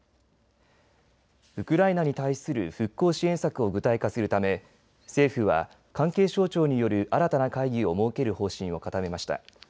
ウクライナに対する復興支援策を具体化するため政府は関係省庁による新たな会議を設ける方針を固めました。